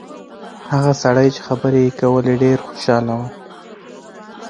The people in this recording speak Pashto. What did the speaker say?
هغه سړی چې خبرې یې کولې ډېر خوشاله و.